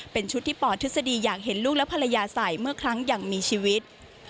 เป็นชุดที่ปทฤษฎีอยากเห็นลูกและภรรยาใส่เมื่อครั้งอย่างมีชีวิต